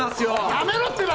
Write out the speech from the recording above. やめろってば！